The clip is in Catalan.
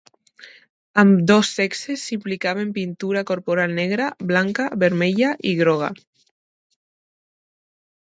Ambdós sexes s'aplicaven pintura corporal negra, blanca, vermella i groga.